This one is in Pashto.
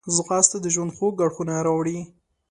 ځغاسته د ژوند خوږ اړخونه راوړي